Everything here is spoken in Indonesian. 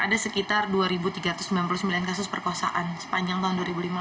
ada sekitar dua tiga ratus sembilan puluh sembilan kasus perkosaan sepanjang tahun dua ribu lima belas